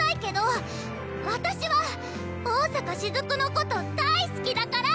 私は桜坂しずくのこと大好きだから！